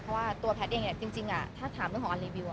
เพราะว่าตัวแพทย์เองจริงถ้าถามเรื่องของออรีวิว